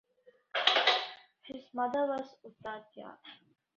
His mother was Utathya.